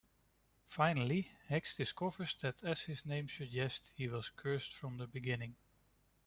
Finally, Hex discovers that, as his name suggests, he was cursed from the beginning.